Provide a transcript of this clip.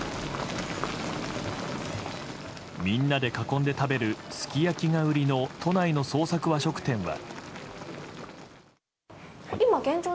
みんなで囲んで食べるすき焼きが売りの都内の創作和食店は。